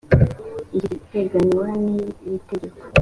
iki giteganywa n iri tegeko